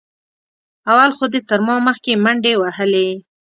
اول خو دې تر ما مخکې منډې وهلې.